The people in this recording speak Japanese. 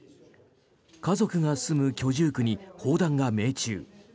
家族が住む居住区に砲弾が命中。